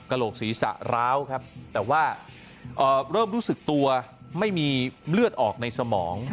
โหลกศีรษะร้าวครับแต่ว่าเริ่มรู้สึกตัวไม่มีเลือดออกในสมอง